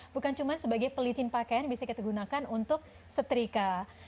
bukan cuma sebagai pelicin pakaian bisa kita gunakan untuk setrika